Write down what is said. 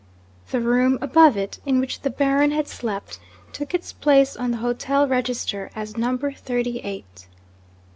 The room above it, in which the Baron had slept, took its place on the hotel register as Number Thirty Eight.